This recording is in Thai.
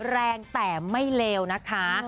แรงแต่ไม่เลวนะคะ